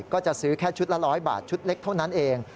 ก็จะซื้อแค่ชุดละ๑๐๐บาทชุดเล็กเท่านั้นเอง